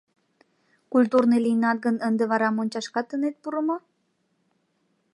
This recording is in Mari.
Культурный лийынат гын, ынде вара мончашкат ынет пуро мо?